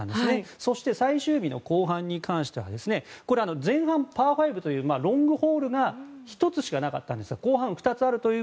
そして最終日の後半に関しては前半パー５というロングホールが１つしかなかったんですが後半は２つありパー